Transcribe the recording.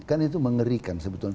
kan itu mengerikan sebetulnya